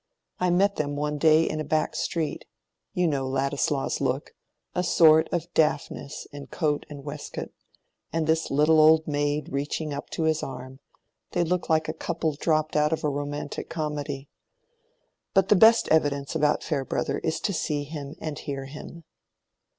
I met them one day in a back street: you know Ladislaw's look—a sort of Daphnis in coat and waistcoat; and this little old maid reaching up to his arm—they looked like a couple dropped out of a romantic comedy. But the best evidence about Farebrother is to see him and hear him."